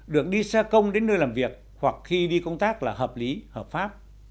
được đi xe công đến nơi làm việc hoặc khi đi công tác là hợp lý hợp pháp